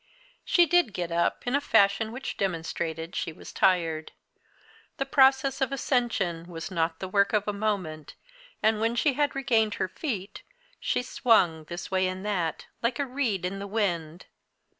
She did get up, in a fashion which demonstrated she was tired. The process of ascension was not the work of a moment, and when she had regained her feet, she swung this way and that, like a reed in the wind.